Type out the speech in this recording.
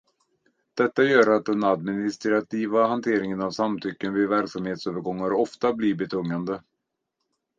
Detta gör att den administrativa hanteringen av samtycken vid verksamhetövergångar ofta blir betungande.